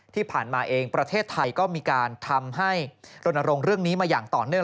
ที่ผ่านมาเองประเทศไทยก็มีการทำให้รณรงค์เรื่องนี้มาอย่างต่อเนื่อง